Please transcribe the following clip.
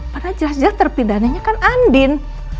padahal jelas jelas terpidananya kan andin